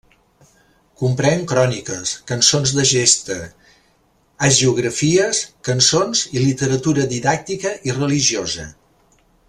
Comprèn cròniques, cançons de gesta, hagiografies, cançons i literatura didàctica i religiosa.